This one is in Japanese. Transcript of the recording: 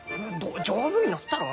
丈夫になったろう！